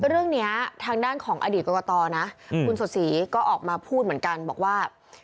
เรื่องนี้ทางด้านของอดีตกรกตนะคุณสดศรีก็ออกมาพูดเหมือนกันบอกว่า